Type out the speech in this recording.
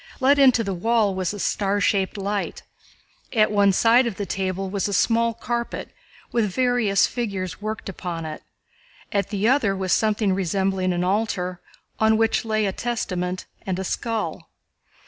Let into the wall was a star shaped light. At one side of the table was a small carpet with various figures worked upon it, at the other was something resembling an altar on which lay a Testament and a skull.